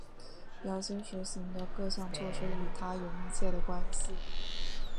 姚兴实行的各项措施与他有密切的关系。